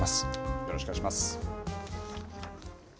よろしくお願いします。